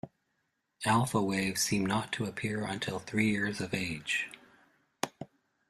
Alpha waves seem not to appear until three years of age.